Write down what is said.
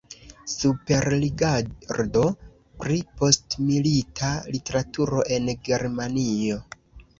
Superrigardo pri postmilita literaturo en Germanio.